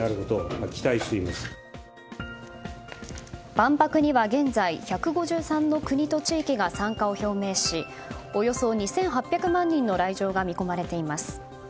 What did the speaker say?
万博には現在１５３の国と地域が参加を表明しおよそ２８００万人の来場が見込まれています。